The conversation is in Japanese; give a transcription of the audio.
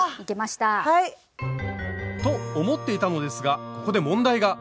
はい。と思っていたのですがここで問題が。